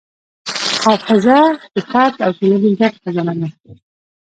حافظه د فرد او ټولنې ګډ خزانه ده.